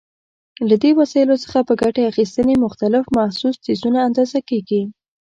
له دې وسایلو څخه په ګټې اخیستنې مختلف محسوس څیزونه اندازه کېږي.